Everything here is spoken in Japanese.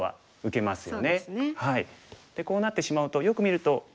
でこうなってしまうとよく見ると。